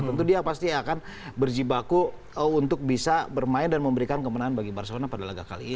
tentu dia pasti akan berjibaku untuk bisa bermain dan memberikan kemenangan bagi barcelona pada laga kali ini